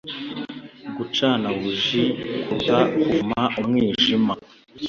gucana buji kuruta kuvuma umwijima